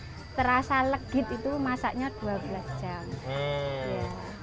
kalau terasa legit itu masaknya dua belas jam